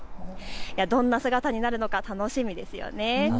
どんな姿になるのか楽しみですよね。